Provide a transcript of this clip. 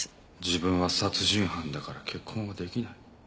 自分は殺人犯だから結婚はできない。